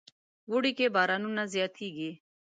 وری کې بارانونه زیات کیږي.